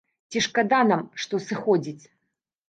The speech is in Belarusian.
Ці шкада нам, што сыходзіць?